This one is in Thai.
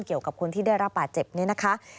เกี่ยวกับคนที่ได้รับบาดเจ็บนี้นะคะ